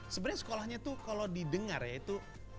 sebenernya sekolahnya itu kalau didengar ya itu